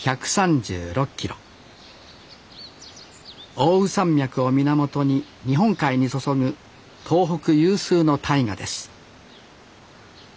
奥羽山脈を源に日本海に注ぐ東北有数の大河です